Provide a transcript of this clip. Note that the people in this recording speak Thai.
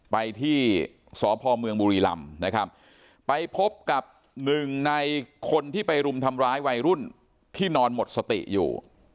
ไปที่สพเมืองบุรีลำนะครับไปพบกับหนึ่งในคนที่ไปรุมทำร้ายวัยรุ่นที่นอนหมดสติอยู่